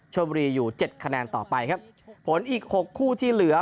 ชมบุรีอยู่เจ็ดคะแนนต่อไปครับผลอีกหกคู่ที่เหลือ